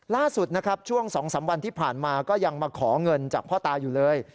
ล่าสุดนะครับช่วง๒๓วันที่ผ่านมาก็ยังมาขอเงินจากพ่อตาอยู่เลย